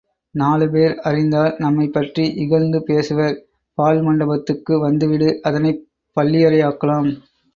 நாலுபேர் அறிந்தால் நம்மைப்பற்றி இகழ்ந்து பேசுவர் பாழ்மண்டபத்துக்கு வந்துவிடு அதனைப்பள்ளி யறை ஆக்கலாம்.